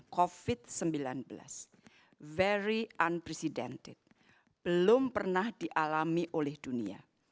covid sembilan belas very unprecedented belum pernah dialami oleh dunia